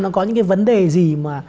nó có những vấn đề gì